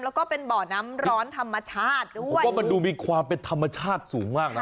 แล้วก็เป็นบ่อน้ำร้อนธรรมชาติด้วยเพราะว่ามันดูมีความเป็นธรรมชาติสูงมากนะ